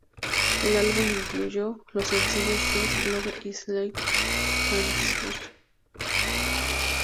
El álbum incluyó los sencillos "Your Love Is Like a Cancer" y "Hot Sauce".